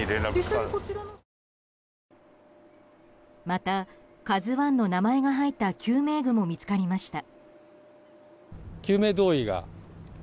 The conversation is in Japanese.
また「ＫＡＺＵ１」の名前が入った救命具も見つかりました。